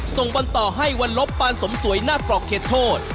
ส่งบอลต่อให้วันลบปานสมสวยหน้ากรอกเขตโทษ